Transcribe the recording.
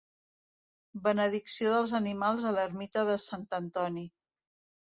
Benedicció dels animals a l'ermita de Sant Antoni.